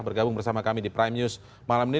bergabung bersama kami di prime news malam ini